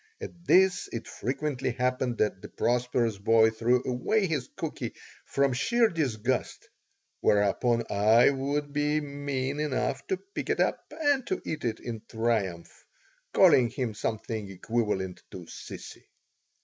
At this it frequently happened that the prosperous boy threw away his cookie from sheer disgust, whereupon I would be mean enough to pick it up and to eat it in triumph, calling him something equivalent to "Sissy."